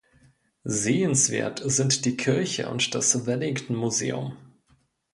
Sehenswert sind die Kirche und das "Wellington Museum.